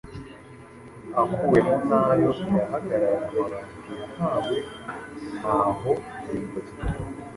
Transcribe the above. akuwemo nayo irahagarara, amabati yahawe ntaho yayikoze